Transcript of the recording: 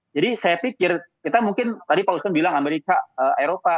jadi saya pikir kita mungkin tadi pak usman bilang amerika eropa